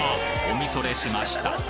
おみそれしました！